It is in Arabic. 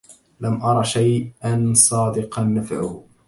لم أر شيئا صادقا نفعه